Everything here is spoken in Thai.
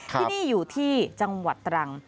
ที่นี่อยู่ที่จังหวัดตรัง